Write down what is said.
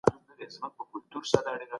د افغان بزګر زحمت باید نندارې ته وړاندې شي.